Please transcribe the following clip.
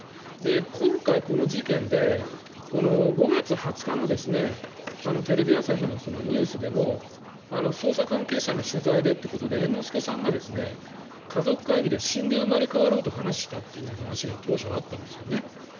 今回、この事件で５月２０日のテレビ朝日のニュースでも捜査関係者の取材でということで猿之助さんが家族会議で死んで生まれ変わろうと話したという話が当初あったんですよね。